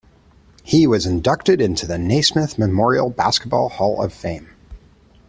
He was inducted into the Naismith Memorial Basketball Hall of Fame.